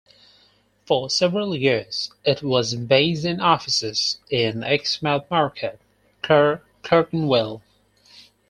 For several years it was based in offices in Exmouth Market, Clerkenwell.